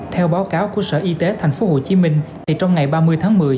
theo báo cáo của sở y tế thành phố hồ chí minh trong ngày ba mươi tháng một mươi